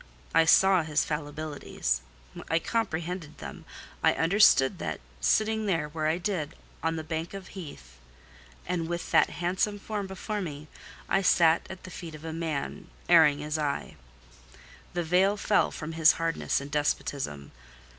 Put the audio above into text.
I saw his fallibilities: I comprehended them. I understood that, sitting there where I did, on the bank of heath, and with that handsome form before me, I sat at the feet of a man, erring as I. The veil fell from his hardness and despotism.